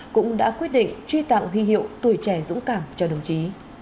cũng đã quyết định truy tặng huy hiệu tuổi trẻ dũng cảm cho đồng chí